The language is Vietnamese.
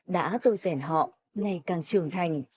đã tôi rèn họ ngày càng trưởng thành